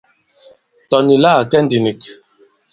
Tɔ̀ nì la à kɛ ndī nik.